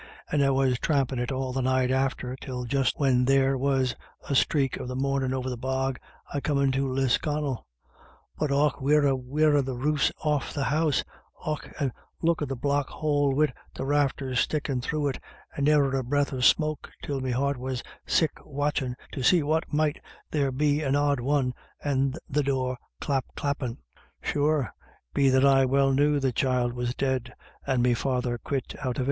And I was trampin* it all the night after, till just when there was a sthrake of the mornin' over the bog, I come into Lisconnel. But och wirra wirra — the roofs off of the house— och, the look of the black hole wid the rafters stickin* through it, and ne'er a breath of smoke, till me heart was sick watchin* to see might there be an odd one, and the door clap clappin\ Sure, be that I well knew the child was dead, and me father quit out of.